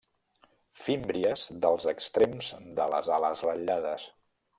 Fímbries dels extrems de les ales ratllades.